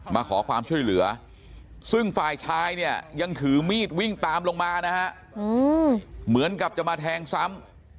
มาขอความช่วยเหลือซึ่งฝ่ายชายเนี่ยยังถือมีดวิ่งตามลงมานะฮะเหมือนกับจะมาแทงซ้ำ